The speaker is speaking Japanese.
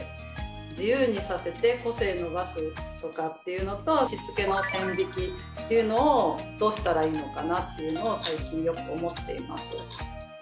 自由にさせて個性伸ばすとかっていうのとしつけの線引きっていうのをどうしたらいいのかなっていうのを最近よく思っています。